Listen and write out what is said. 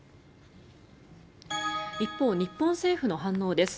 一方、日本政府の反応です。